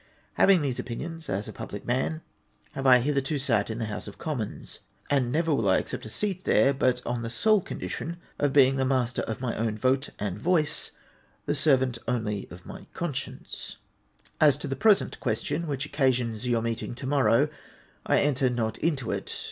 Holding these opinions, as a public man, have I hitherto sat in the House of Commons ; and never will I accept a seat there but on the sole condition of being the master of my own vote and voice — the servant only of my con science. 436 APPENDIX X. As to the present question, wliicli occasions your meeting to morrow, I enter not into it.